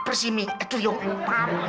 persimi aduh yong lupa